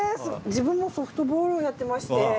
自分もソフトボールをやってまして。